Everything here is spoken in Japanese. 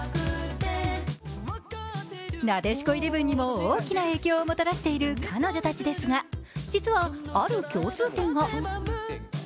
なでしこイレブンにも大きな影響をもたらしている彼女たちですが実はある共通点が。